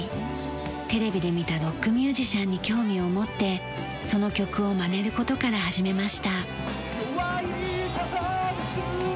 テレビで見たロックミュージシャンに興味を持ってその曲をまねる事から始めました。